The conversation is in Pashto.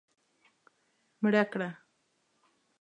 مړه کړه